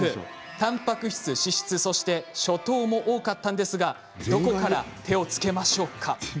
たんぱく質脂質そしてショ糖も多かったんですがどこから手をつけましょうか。